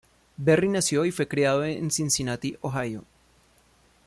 Berry nació y fue criado en Cincinnati, Ohio.